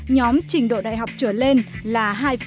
nhóm trình độ đại học trở lên là hai năm mươi bảy